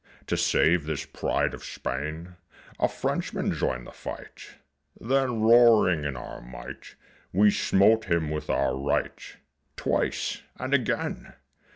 To save this pride of Spain A Frenchman joined the fight; Then roaring in our might We smote him with our right Twice, and again.